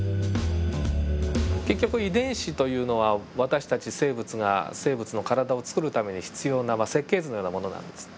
結局遺伝子というのは私たち生物が生物の体をつくるために必要な設計図のようなものなんですね。